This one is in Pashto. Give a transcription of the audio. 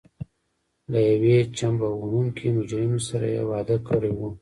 له یوې چمبه وهونکې مجرمې سره یې واده کړی و.